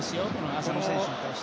浅野選手に対して。